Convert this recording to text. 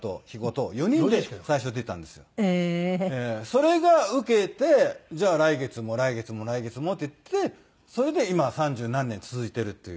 それがウケてじゃあ来月も来月も来月もっていってそれで今三十何年続いているっていう。